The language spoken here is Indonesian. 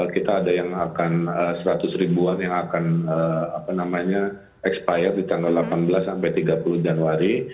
kita ada yang akan seratus ribuan yang akan expired di tanggal delapan belas sampai tiga puluh januari